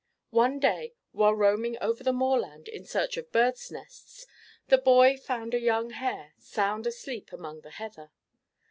One day, while roaming over the moorland in search of birds' nests, the boy found a young hare, sound asleep among the heather.